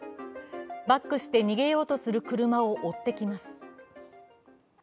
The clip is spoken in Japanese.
バックして逃げようとする車を追ってきます。